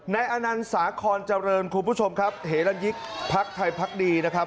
อนันต์สาคอนเจริญคุณผู้ชมครับเหรันยิกพักไทยพักดีนะครับ